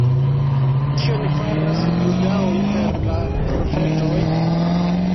Kion faras Budao inter la profetoj?